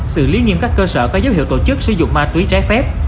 xử lý nghiêm các cơ sở có dấu hiệu tổ chức sử dụng ma túy trái phép